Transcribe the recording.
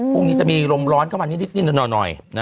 พรุ่งนี้จะมีลมร้อนเข้ามานิดหน่อย